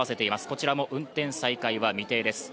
こちらも運転再開は未定です。